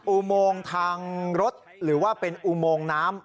อุโมงทางรถหรือว่าเป็นอุโมงน้ำ